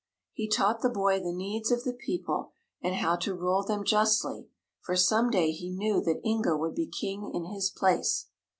He taught the boy the needs of the people and how to rule them justly, for some day he knew that Inga would be King in his place.